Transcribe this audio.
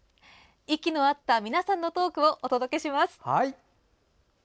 息の合った皆さんのトークをお届けします。